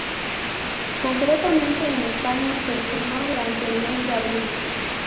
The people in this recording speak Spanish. Concretamente, en España se estrenó durante del mes de abril.